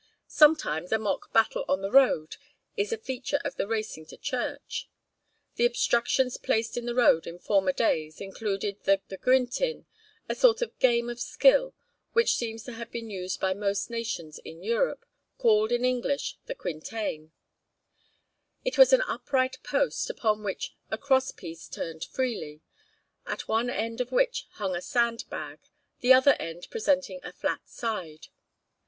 Sometimes a mock battle on the road is a feature of the racing to church. The obstructions placed in the road in former days included the Gwyntyn, a sort of game of skill which seems to have been used by most nations in Europe, called in English the quintain. It was an upright post, upon which a cross piece turned freely, at one end of which hung a sand bag, the other end presenting a flat side.